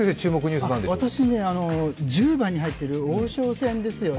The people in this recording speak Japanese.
１０番に入ってる王将戦ですよね。